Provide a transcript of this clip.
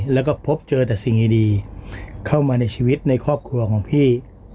แล้วก็พบเจอแต่สิ่งดีเข้ามาในชีวิตในครอบครัวของพี่